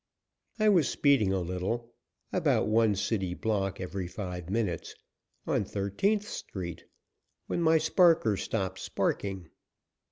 I was speeding a little about one city block every five minutes on Thirteenth Street, when my sparker stopped sparking.